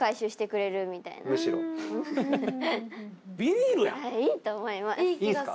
いいと思います！